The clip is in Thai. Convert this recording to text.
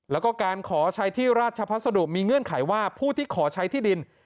แล้วก็การขอใช้ที่ราชพัสดุมีเงื่อนไขว่าผู้ที่ขอใช้ที่ดิน